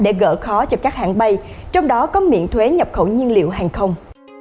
để gỡ khó cho các hãng bay trong đó có miễn thuế nhập khẩu nhiên liệu hàng không